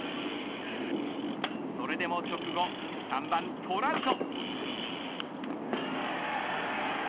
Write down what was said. それでも直後３番トラウト。